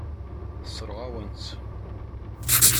Tessṛeɣ-awen-tt.